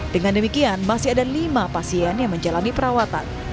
dengan demikian masih ada lima pasien yang menjalani perawatan